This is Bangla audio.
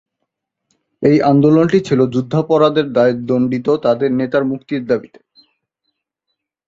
এই আন্দোলনটি ছিল যুদ্ধাপরাধের দায়ে দণ্ডিত তাদের নেতার মুক্তির দাবীতে।